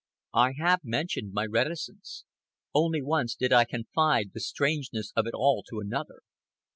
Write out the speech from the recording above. I have mentioned my reticence. Only once did I confide the strangeness of it all to another.